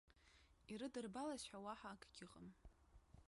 Ирыдырбалаз ҳәа уаҳа акгьы ыҟам.